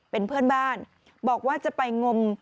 เป็นเพื่อนบ้านบอกว่าจะไปงม